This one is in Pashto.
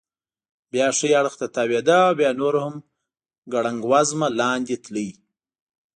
بیا ښي اړخ ته تاوېده او بیا نور هم ګړنګ وزمه لاندې تلی.